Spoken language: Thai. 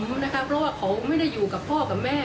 เพราะว่าเขาไม่ได้อยู่กับพ่อกับแม่